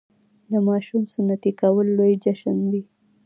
د ماشوم سنتي کول لوی جشن وي.